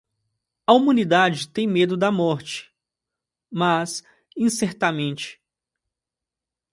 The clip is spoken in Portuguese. A humanidade tem medo da morte, mas incertamente.